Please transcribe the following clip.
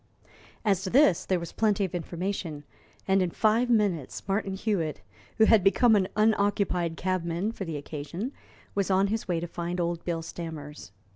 As to this there was plenty of information, and in five minutes Martin Hewitt, who had become an unoccupied cabman for the occasion, was on his way to find old Bill Stammers.